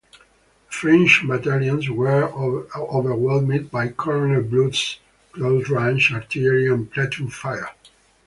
The French battalions were overwhelmed by Colonel Blood's close-range artillery and platoon fire.